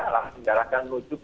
langsung diarahkan menuju ke